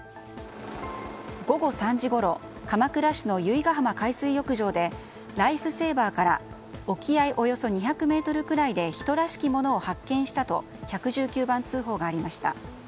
午後３時ごろ、鎌倉市の由比ガ浜海水浴場でライフセーバーから沖合およそ２００ｍくらいで人らしきものを発見したと１１９番通報がありました。